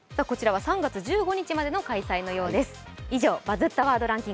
こちらは３月１５日までの開催のようです。